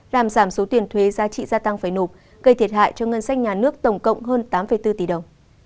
làm giảm số tiền thuế giá trị gia tăng phải nộp gây thiệt hại cho ngân sách nhà nước tổng cộng hơn tám bốn tỷ đồng